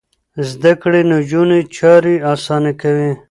زده کړې نجونې چارې اسانه کوي.